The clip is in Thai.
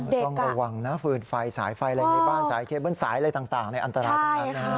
ต้องระวังนะฟืนไฟสายไฟอะไรในบ้านสายเคเบิ้ลสายอะไรต่างในอันตรายทั้งนั้นนะฮะ